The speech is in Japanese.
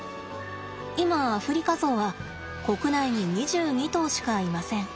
今アフリカゾウは国内に２２頭しかいません。